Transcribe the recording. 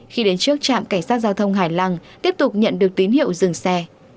khi đến trước trạm cảnh sát giao thông hải lăng tiếp tục nhận được tín hiệu dừng xe